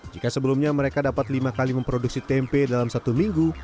jika sebelumnya mereka dapat lima kali memproduksi tempe dalam satu minggu